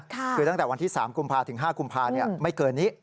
คือตั้งแต่วันที่๓กุมภาถึง๕กุมภาไม่เกินนี้